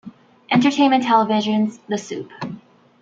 Entertainment Television's "The Soup".